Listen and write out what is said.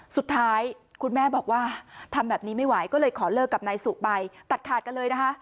สุดท้ายคุณแม่บอกว่าทำแบบนี้ไม่ไหวก็เลยขอเลิกกับนายสุไปตัดขาดกันเลยนะคะ